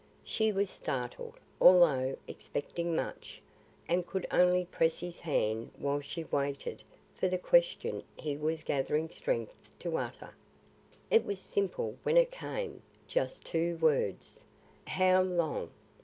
She was startled, although expecting much, and could only press his hands while she waited for the question he was gathering strength to utter. It was simple when it came; just two words: "How long?"